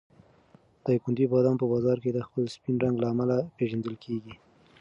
د دایکنډي بادام په بازار کې د خپل سپین رنګ له امله پېژندل کېږي.